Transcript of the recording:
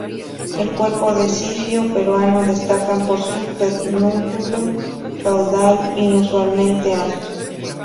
El cuerpo del zifio peruano destaca por su pedúnculo caudal inusualmente alto.